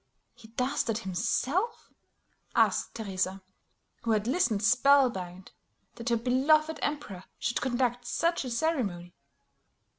"He does that himself?" asked Teresa, who had listened spellbound, that her beloved emperor should conduct such a ceremony.